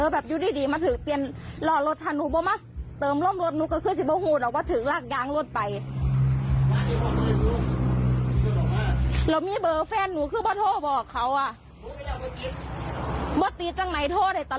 บ๊วยบายบอกมาเลยเดี๋ยวเธอบอกใหม่